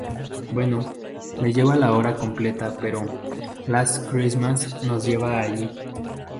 Bueno, le lleva la hora completa, pero "Last Christmas" nos lleva ahí.